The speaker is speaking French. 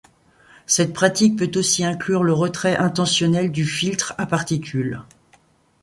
Cette pratique peut aussi inclure le retrait intentionnel du filtre à particules.